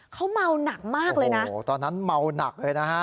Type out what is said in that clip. เขาเมาหนักมากเลยนะโอ้โหตอนนั้นเมาหนักเลยนะฮะ